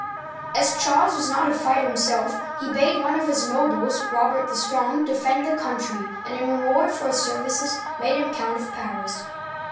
As Charles was not a fighter himself, he bade one of his nobles, Robert the Strong, defend the country, and in re ward for his services made him Count of Paris.